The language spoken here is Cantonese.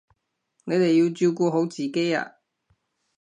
你哋要照顧好自己啊